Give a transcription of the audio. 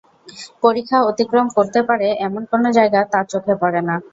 পরিখা অতিক্রম করতে পারে এমন কোন জায়গা তার চোখে পড়ে না।